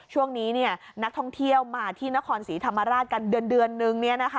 ช่วงนี้นักท่องเที่ยวมาที่นครศรีธรรมราชกันเดือนนึง